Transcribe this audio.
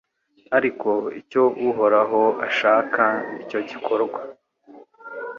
ariko icyo Uhoraho ashaka ni cyo gikorwa